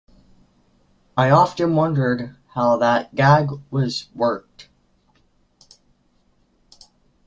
I've often wondered how that gag was worked.